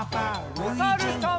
おさるさん。